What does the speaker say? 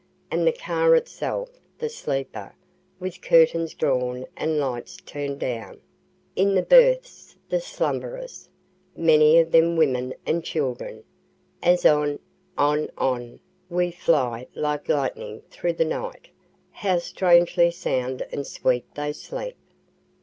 And the car itself, the sleeper, with curtains drawn and lights turn'd down in the berths the slumberers, many of them women and children as on, on, on, we fly like lightning through the night how strangely sound and sweet they sleep!